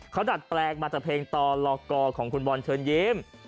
เขาดัดแปลงมาจากเพลงต่อลอกของคุณบอลเชิญยิ้ม